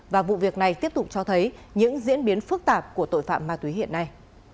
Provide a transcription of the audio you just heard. và vụ việc này tiếp tục cho thấy những diễn biến phức tạp của tội phạm ma túy hiện nay